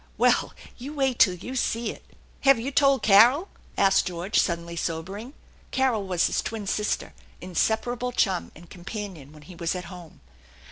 " Well, you wait till you see it." " Have you told Caro 1 "* asked George, suddenly sobering. Carol was his twin sister, inseparable chum, and companion when he was at home.